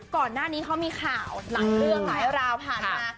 ก่อนหน้านี้เขามีข่าวหลายเรื่องหลายราวผ่านมา